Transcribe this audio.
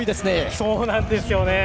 そうなんですよね。